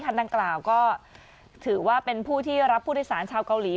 ท่านดังกล่าวก็ถือว่าเป็นผู้ที่รับผู้โดยสารชาวเกาหลี